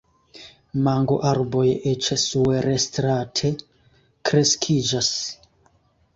Mangoarboj eĉ suerstrate kreskiĝas.